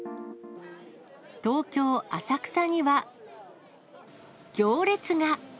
東京・浅草には行列が。